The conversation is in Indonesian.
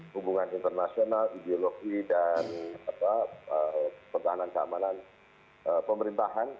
hubungan internasional ideologi dan pertahanan keamanan pemerintahan